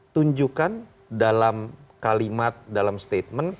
tunjukkan dalam kalimat dalam statement